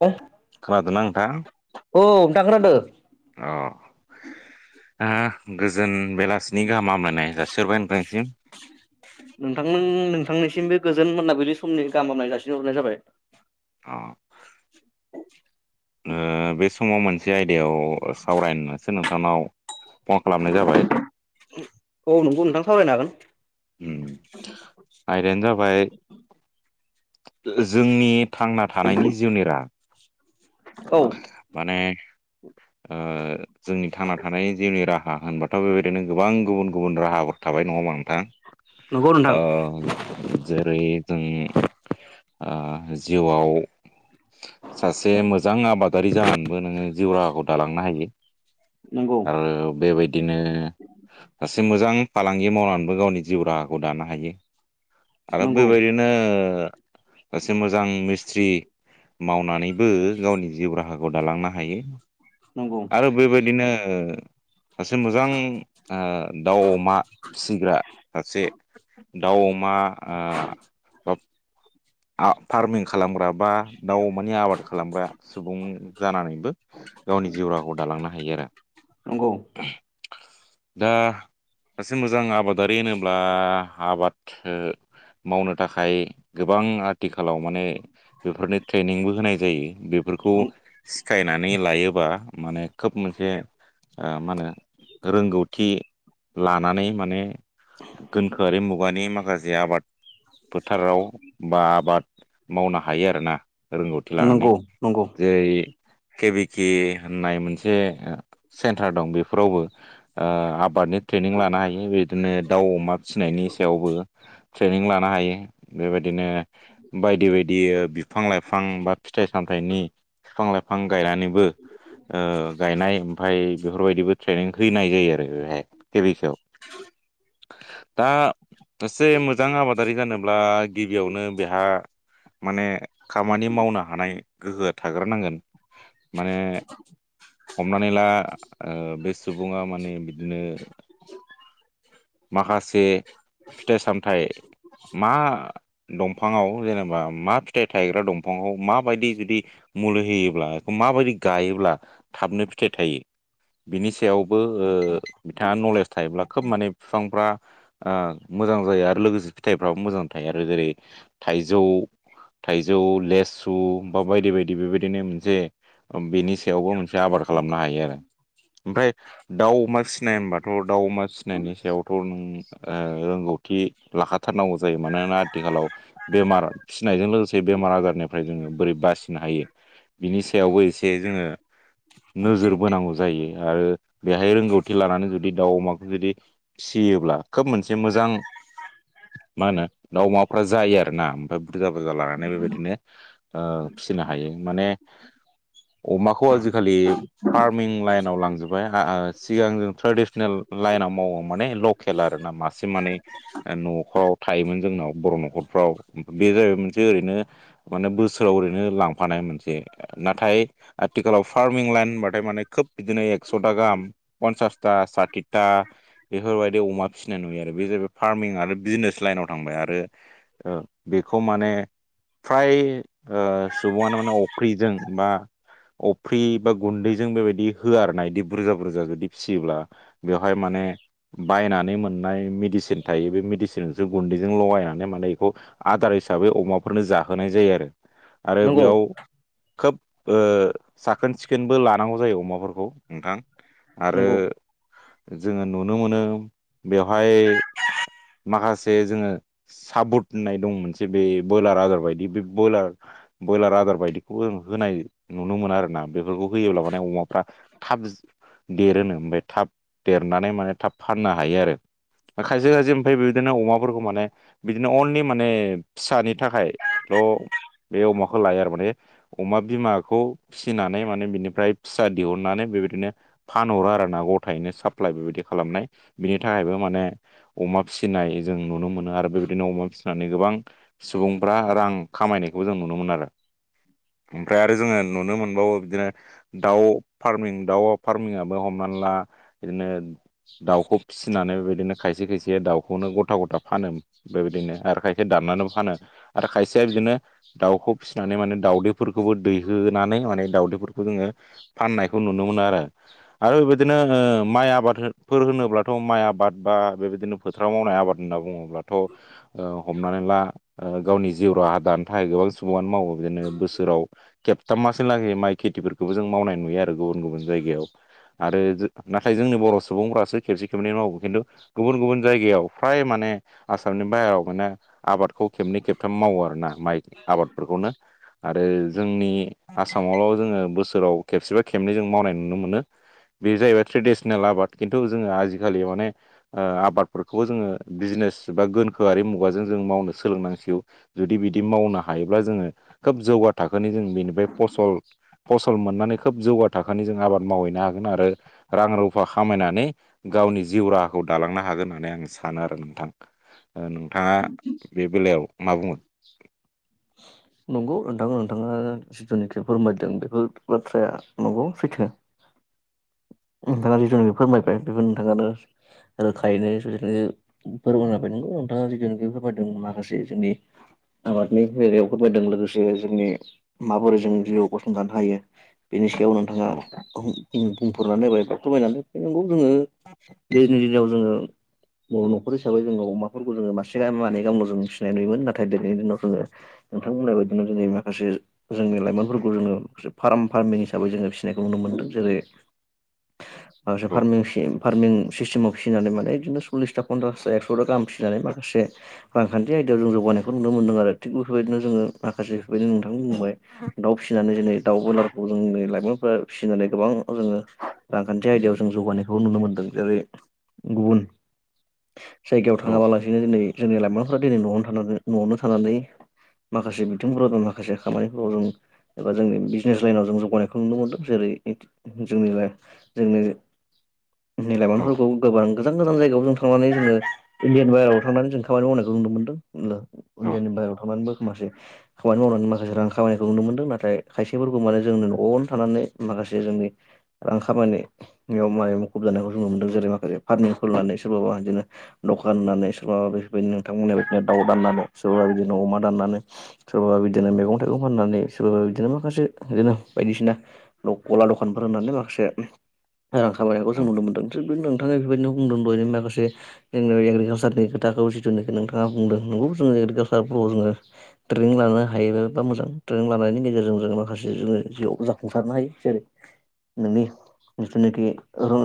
औ। खोनादोंना नोंथां? औ नोंथां खोनादों। अ ओन गोजोन बेलासिनि गाहाम हामब्लाय नोंथां नोंथांनि सिमबो गोजोन मोनाबिलि समनि गाहाम हामब्लायनाय जासिनहरनाय जाबाय। अ। [unintelligible] ओं बे समाव मोनसे आयदायाव सावरायनोसो नोंथांनाव फन खालामनाय जाबाय। औ नोंगौ नोंथां सावरायनो हागोन। उम आयदायानो जाबाय जोंनि थांना थानायनि जिउनि राहा। औ माने ओं जोंनि थांना थानाय जिउनि राहा राहा होनबाथ' बेबायदिनो गोबां गुबुन गुबुन राहाफोर थाबाय नङा होनबा नों थां हागोन औ नंगौ नोंथां ओं जेरै जों ओ जिउआव सासे मोजां आबाद दारि जानानैबो नोङो जिउ राहाखौ दालांनो हायो आरो बेबादि बिदिनो सासे मोजां फालांगि मावनानैबो गावनि जिउ राहाखौ दानो हायो। आरो नंगौ बेबायदिनो ओं सासे मोजां मिस्थ्रि मावनानैबो गावनि जिउ राहाखौ दालांनो हायो नंगौ आरो बेबायदि दिनो सासे मोजां ओ दाउ अमा फिसिग्रा सासे दाउ अमा ओ बा फा-फार्मिं खालामग्रा बा दाउ अमानि आबाद खालामग्रा सुबुं जानानैबो गावनि जिउ राहखौ दालांनो हायो आरो। नंगौ दा सासे मोजां आबादारि होनोब्ला आबाद ओ मावनो थाखाय गोबां आथिखालाव माने बेफोरनि ट्रेनिंबो होनाय जायो। बेफोरखौ सिखायनानै लायोबा माने खोब मोनसे ओ मा होनो रोंगौथि लानानै माने गोनोखोआरि मुगानि माखासे से आबाद फोथाराव बा आबाद मावनो हायो आरोना। रोंगौथि नंगौ लानानै नंगौ जेरै केबिकि होननाय मोनसे सेन्टार दं बेफोरावबो ओ आबा बादनि ट्रेनिं लानो हायो बिदिनो दाउ अमा फिनायनि सायावबो ट्रेनिं लानो हायो बेबायदिनो बायदि बायदि बियो बिफां लाइफां बा फिथाइ सामथायाइनि बिफां लाइफां गायनानैबो ओ गायनाय ओमफ्राय बेफोरबायदिबो ट्रेनिं होनाय जायो आरो ओरैहाय बेे फेबिकिआव। [inaudible] दा सासे मोजां आबादारि जानोब्ला गिबियावनो बेहा माने खामानि मावनो हानाय गोहोआ थाग्रो नांगोन माने हमनानै ला ओ बे सुबुङा माने बिदिनो माखासे फिथाइ सामथाइ मा दंफाङाव जेनेबा मा फिथाइ थायग्रा दंफाङाव माबायदि जुदि मुलि होयोब्ला बेखौ माबायदि गायोब्ला थाबनो फिथाइ थायो बेनि सा सायावबो ओ बिथाङा नलेज थायोब्ला खोब माने बिफांफ्रा ओ मोजां जायो आरो लोगोसे फिथाइफ्राबो मोजां थायो आरो जेरै थाइजौ थाइजौ लेसु बा बायदि बायदि बेबायदिनो मोनसे बेनि सायावबो मोनसे आबाद खालामनो हायो आरो। ओमफ्राय दाउ अमा फिनाय होनबाथ' दाउ अमा फिनायनि सायावथ' नों ओ रोंगौथि लाखाथारनांगौ जायो मानोना आथिखालाव बेमार फिनायजों लोगोसे बेमार आजारनिफ्राय जोङो बोरै बासिनो हायो बिनि सायावबो एसे जोङो नोजोर बोनांगौ जायो। आरो बेहाय रोंगौथि लानानै जुदि दाउ अमाखौ जुदि फियोब्ला खोब मोनसे मोजां मा होनो दाउ अमाफ्रा जायो आरोना ओमफ्राय बुरजा बुरजा लानानै बेबायदिनो ओ फिनो हायो माने अमाखौ आजिखालि फार्मिं लाइनाव लांजोबबाय सिगां जों ट्रेडिसनेल लाइनाव मावो माने लकेल आरो ना मासे माने न'फ्राव थायोमोन जोंनाव बर' न'खरफ्राव बे जाहैबाय मोनसे ओरैनो माने बोसोराव ओरैनो लांफानाय मोनसे नाथाय आथिखालाव फार्मिं लाइन होनबाथाय माने खोब बिदिनो एकस'था गाहाम पनसास थथा सा थिता बेफोरबायदि अमा फिसिनाय नुयो आरो बे जाहैबाय फार्मिं आरो बिजिनेस लाइनावव थांबाय आरो आरो बेखौ माने फ्राय सुबुङानो माने फुख्रिजों बा अफ्रि बा गुन्दैजों बेबायदि होआनायदि बुरजा बुरजा जुदि फिसियोब्ला बेवहाय माने बायनानै मोननाय मेडिसिन थायो बे मेडिसिनसो गुन्दैजों लगायनानै माने बेखौ आदार हिसाबै अमाफोरनो जाहोनाय जायो आरो आरो नंगौ बेयाव खोब साखोन सिखोनबो लानांगौ जायो अमाफोरखौ नोंथां आरो नंगौ जोङो नुनो मोनो बेवहाय माखासे जोङो साबद होननाय दं मोनसे बे ब्रयलार आजार बायदि बे ब्रयलार ब्रयलार आदार बायदिखौ होनाय नुनो मोनो आरोना बेफोरखौ होयोब्ला माने अमाफ्रा थाब देरोनो ओमफ्राय थाब देरनानै माने थाब फाननो हायो आरो ओंखाय जोङो जेन ओमफ्राय बिदिनो अमाफोरखौ माने बिदिनो अनलि माने फिसानि थाखायल' बे अमाखौ लायो आरो माने अमा बिमाखौ फिसिनानै माने बिनिफ्राय फिसा दिहुननानै बेबायदिनो फानहरो आरोना गथायैनो साप्लाइ बेबायदि खालामनाय बिनि थाखायबो माने अा फिसिनाय जों नुनो मोनो आरो बेबायदिनो अमा फिसिनानै गोबां सुबुंफ्रा रां खामायनायखौ जों नुनो मोनो नुनो मोन आरो फ्राय आरो जोङो नुनो मोनबावो बिदिनो दाउ फार्मिं दाउ फार्मिंयाबो हमनानै ला बिदिनो दाउखौ फिसिनानै बेबायदिनो खायसे खायसे दाउ खौनो गथा गथा फानो बेबायदिनो आरो खायसे दाननानै फानो आरो खायसेया बिदिनो दाउ खौ फिसिनानै माने दावदैफोरखौबो दैहोनानै माने दाउदैफोरखौ जोङो फाननायखौ नुनो मोनो आरो आरो बेबायदिनो माइ आबादफोर होनोब्लाथ' माइ आबाद बा बेबायदिनो बोथाराव मावनाय आबाद होनना बुङोब्लाथ' हमनानै ला गावनि जिउ राहा दानो थाखाय गोबां सुबनो मावो बिदिनो बोसोराव खेबथाम मासि लागै माइ खेथिफोरखौबो जों मावनाय नुयो आरो गुबुन गुबुन जायगायाव आरो नाथाय जोंनि बर' सुबुंफ्रासो खेबसे खेबनै मावो खिन्थु गुबुन गुबुन जायगायाव फ्राय माने आसामनि बाहेरायाव माने आबाद खौ खेबनै खेबथाम मावो आर ना माइ आबादफोरखौनो आरो जोंनि आसामावल' जोङो बोसोराव खेबसेबा खेबनै जों मावनाय नुनो मोनो बेयो जाहैबाय ट्रेडिसनेल आबाद खिन्थु जोङो आजिखालियाव माने आबाद फोरखौबो जोङो बिजनेस बा गोनखोआरि मुगाजों जों मावनो सोलोंनांसिगौ जुदि बिदि मावनो हायो [inaudible] [inaudible] राहाखौ दालांनो हागोन नामा होननानै आं सानो आरो नोंथां नोंथाङा बे बेलायाव मा बुगोन नंगौ नोंथां नोंथाङा जिथुनिखि फोरमायदों बेफोर बाथ्राया नंगौ सैथो [inaudible] नोंथाङा जिहेथचखौ फोरमायबाय बेखौ नोंथाङा रोखायैनो जुजायनो फोरमाननाफैनांगौ नोंथाङा जिथुनाखि फोरमायदों माखासे जोंनि आबादनि बेेरायाव फोरमायदों लोगोसे जोंनि माबाोर जों जिउआव गसंथानो हायो बेनि सोमोन्दै औ बेयाव नोंथाङा [unintelligible] बा खमायनानै नगौ जोङो दैनि दिनाव जोङो न'खर हिसाबै जोङो अमाफोरखौ जोङो मासे मानै गामनावल फिनाय नुयोमोन नाथाय दिनैनि दिनाव जोङो नोंथां बुंबाय बायदिनो जोंनि माखासे जोंनि लाइमोनफोरखौ जोङो फार्म फार्मिन हिसै जोङो फिसिनायखौ नुनो मोनो मोनदों जेरै माखसे औ फार्मिंसिम फार्मिं सिस्टेमाव फिसिनानै माने बिदिनो सल्लिसथा पनसासथा एकस'थि गाहाम फिनानै माखासे रांखान्थि आयदायाव जों जौगानायखौ नुनो मोन्दों आरो [unintelligible] थिग बेफोरबायदिनो जोङो माखासे बेफोरबायदिनो नोंथांनि बुंबाय दाउ फिसिनानै जेरै दाउ ब्रयलारखौ जोंनि लाइमोनफ्रा फिसिनानै गोबां [unintelligible] रांखान्थि आयदायाव जों जौगानायखौ नुनो मोनदों जेरै गुबुन जायगायाव थाङाबालासिनो दिनै जोंनि लाइमोनफोरा दिनै न'आवनो थानानै न'आवनो थानानै माखासे बिथिंफोराव [unintelligible] माखासे खामानिफोराव [unintelligible] एबा जोंनि बिजनेस लाइनाव जों जौगानायखौ नुनो मोनदों जेरै जोंनि लाइ जोंनो नि औ लाइमोनफोरखौ गोबां गोजान गोजान जायगायाव थांनानै जोङो इणदियानि बाहेराव थांनानै जों खामानि मावनायखौ नुनो मोनदों दा औ इण्डियनि बाहेरायाव थांनानैबो माखासे खामानि मावनानै माखासे रां खामानिखौ नुनो मोनदों नाथाय खायसेफोरखौ माने जोंनो न'आवनो थानानै माखा बसे जोंनि रां खामायनाय याव [unintelligible] जेरै माखासे फार्मिखौ लानानै सोरबाबा इदिनो नख' गाननानै सोरबा बेफोरबायदि नोंथांमोन बिदिनो दाउ दाननानै सोरबा बिदिनो अमा दाननानै [unintelligible] सोरबाबा बिदि [unintelligible] मैगं थाइगं फाननानै सोरबाबा बिदिनो माखासे एरैनो बायदिसिना न गला दखानफोर [unintelligible] से रां खामायनायखौ जों औ नुनो मोनदों दि बे नोंथाङा बेबायदिनो होमदों [unintelligible] माखासे एग्रि एग्रिकालसारनि खोथाखौ जिथुनों नोंथाङा बुंदों नंगौ जोंङो एग्रि [unintelligible] जोङो ट्रेनिं लानो हायोब [unintelligible] मोजां ट्रेनिं लानायनि गेजेरजों जो माखासे जोङो जिउ जाफुंसारनो हायो जेरै नोंनि जिथुनाखि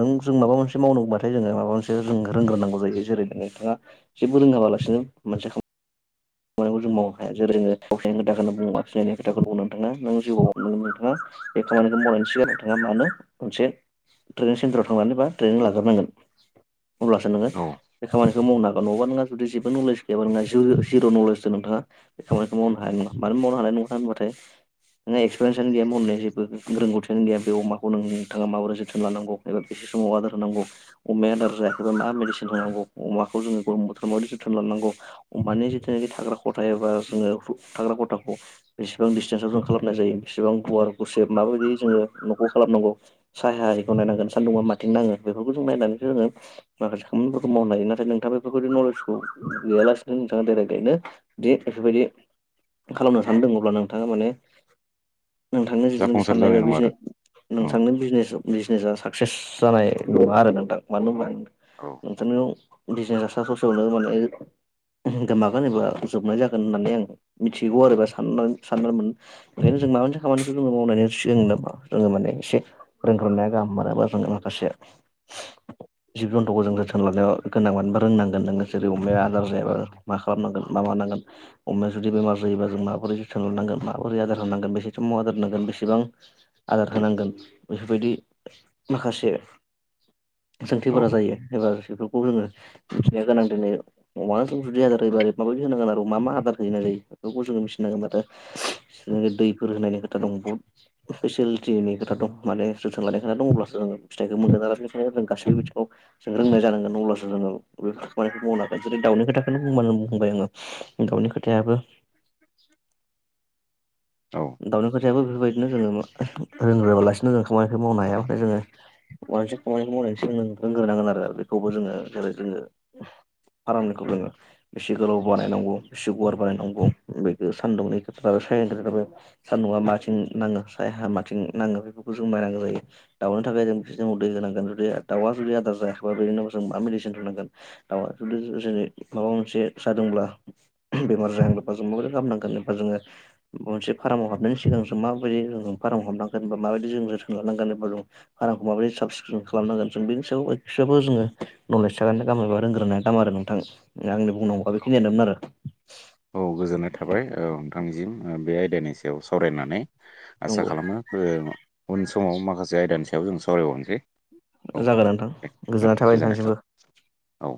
नों जों माबा मोनसे मावनांगौबाथाय जोङो माबा मोनसे जों रोंग्रोनांगौ जायो जेरै नोंथां जेबो रोङाबालासिनो मोनसे खाम [unintelligible] जों मावनो हाया जेरैङो [unintelligible] नों जिउआव नों नोंथाङा बे खामानिखौ मावनो सिगोन नोथाङा मानो मोनसे ट्रेनिं सेन्टाराव थांनानै बा ट्रेनिं लाग्रोनांगोन अब्लासो नोङो औ बे खामानिखौ मावनो हागोन नङाबा नङा जुदि जेबो नलेज गैयाबा नों जो जिर' नलेज द नोंथाङा बे खामानिखौ मावनो हानाय नङा मानो मावनो हानाय नङा होनाथाय नोंहा एक्सपिरियेन्सानो गैया म होननाय जेबो रोंगौथियानो गैया बे अमाखौ नोंथाङा माबोरै जोथोन लानांगौ ए बे समाव आदार होनांगौ अमाया आदार जायाखौ मा मेदिसिन होनांगौ अमाखौ जोङो गरम बोथोरावाबायदि जोथोन लानां अ अमानि जो जेनाखि थाग्रा खथा एबा जोङो थाग्रा खथाखौ बेसेबां दिडिसटेन्साव जों खालामनाय जायो बेसेबां गुवार गुसेब माबायदि जोङो न'खौ खालामनां साह हखौ नायनांगोन सानदुं माथिं नाङो बेफोरखौ जों नाय जोङो माखासे खामानिफोरखौ मावनो हायो नाथाय नोंथाङा बेफोरबायदि नलेजखौ गैयालासेनो नोंथाङा डाइरेक ओनो दि बेफोरबायदि खालामनो सानदों अब्ला नोंथाङा माने नोंथांनो [unintelligible] जाफुंसार जानाय साननायबा नङा आरो [unintelligible] औ नोंथांनो बिजनेस बिजनेसा साक्सेस जानाय नङा आरो नोंथां मानो होनबा औ नोंथांनाव- बिजनेया [unintelligible] माने [unintelligible] गोमागोन एबा जोबनाय जागोन होननानै आं मिथिगौ आरो बा साननो साननो मोन [unintelligible] जों माबा मोन [unintelligible] [unintelligible] इसे [unintelligible] गाहाम [unintelligible] माखासे [inaudible] जिब जन्थुखौ जों [unintelligible] गोनां रोंनांगोन नोङो जेरै अमाया आदार जायोबा मा खालामनांगोन मा मानांगोन अमाया जुदि बेमार जायोब जों माबोरै जोथोन लानांगोन माबोरै आदार होनानांगोन बेसे अमा आदार होनांगोन बेसेबां आदार होनांगोन बेफोरबायदि माखासे [inaudible] सोंथिफोरा जायो एबा बेफोरखौ जोङो मिथिनाया गोनां दिनै अमा [unintelligible] जुदि आदार होयोबा माबायदि [unintelligible] आरो मा मा [unintelligible] जोङो दैफोर होनायनि खोथा दं बद फेसिलिटिनि खोथा दं मानो जोथोन लानाय खोथा दं अब्लासो जों फिथाइखौ [unintelligible] जों गासैबो बिथिखौ जों रोंनाय जानांगोन अब्लासो जोङो बे खामानिखौ मावनो हागोन जेरै दाउनि खोथा [unintelligible] बुंबाय आङो [unintelligible] खोथायाबो [inaudible] औ दाउनि खोथायाबो बेफोरबायदिनो जोङो [unintelligible] रोंग्राआबालासिनो जों खामानिखौ मावनो हाया। ओमफ्राय जोङो माबा [unintelligible] रोंग्रोनांगोन आरो बेखौबो जोङो जेरै जोङो फार्मखौ जोङो बेसे गोलाव बानायनांगौ बेसे गुवार बानायनांगौ बेखौ सान्दुंनि खोथा [unintelligible] सानदुंआ माथिं नाङो सायहा माथिं नाङो बेफोरखौ जों नायनांगौ जायो दाउनो थाखाय जों दाउआ जुदि आदार जायाखैबा बेनो जों मा मेडिसि होनांगोन दाउया मा बादि माबा मोनसे जादोंब्ला बेमार जादोंबा जों माबायदि खालामामनांगोन एबा जोङो माबा मोनसे फार्म हाबनायनि सिगां जों माबायदि जों फारमाव हाबनांगोन बा माबायदि जों जोथोन लानांगोन एबा जों फार्मखौ माबायदियै साब सिखोन खालामनांगोन जों बेनि सायाव एसेब्लाबो जोङो नलेज थागोना गाहाम एबा रोंग्रोनाया गाहाम आरो नोंथां आंनि बुंनांगौआ बेखिनियानोमोन आरो औ गोजोननाय थाबाय औ नोंथांनिसिम ओ। बे आयदानि सायाव सावरायनानै आसा नंगौ खालामो उन समाव माखासे आयदानि सायाव जों सावराय बावनोसै। जागोन नोंथां। गोजोनाय थाबाय नोंथांनिसिमबो। औ